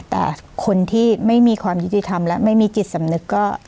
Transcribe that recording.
แต่คนที่ไม่มีความยุติธรรมและไม่มีจิตสำนึกก็